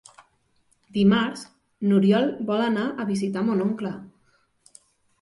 Dimarts n'Oriol vol anar a visitar mon oncle.